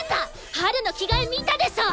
ハルの着替え見たでしょ！